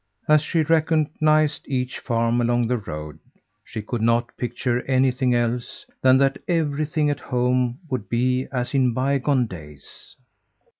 As she recognized each farm along the road, she could not picture anything else than that everything at home would be as in bygone days.